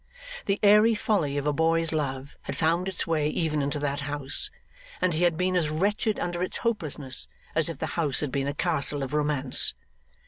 The airy folly of a boy's love had found its way even into that house, and he had been as wretched under its hopelessness as if the house had been a castle of romance.